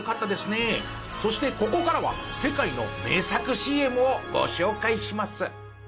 そしてここからは世界の名作ＣＭをご紹介します。